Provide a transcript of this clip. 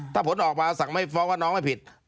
ถ้าผลออกมาสั่งไม่ฟ้องว่าน้องไม่ผิด